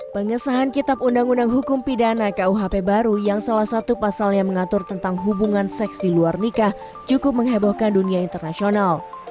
pengesahan kitab undang undang hukum pidana kuhp baru yang salah satu pasalnya mengatur tentang hubungan seks di luar nikah cukup menghebohkan dunia internasional